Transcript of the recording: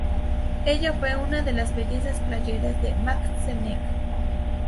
Ella fue una de las "bellezas playeras" de Mack Sennett.